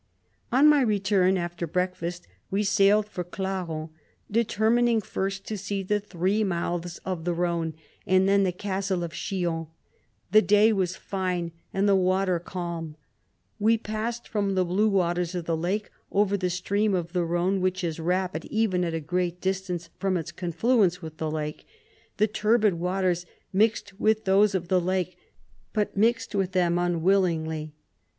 On my return, after breakfast, we sailed for Clarens, determining first to see the three mouths of the Rhone, and then the castle of Chillon ; the day was fine, and the water calm. We passed from the blue waters of the lake over the stream of the Rhone, which is rapid even at a great distance from its confluence with the lake ; the turbid waters mixed with those of the lake, but mixed with them unwillingly.